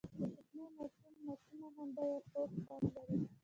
د کوچني ماشوم معصومه خندا یو خوږ خوند لري.